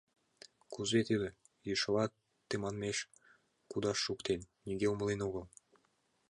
Кузе тудо, йӱшыла тыманмеш кудаш шуктен, нигӧ умылен огыл.